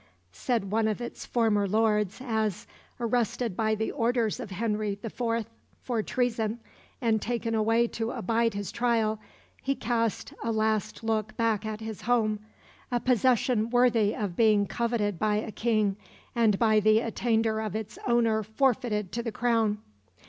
said one of its former lords as, arrested by the orders of Henry IV. for treason, and taken away to abide his trial, he cast a last look back at his home a possession worthy of being coveted by a King, and by the attainder of its owner forfeited to the Crown.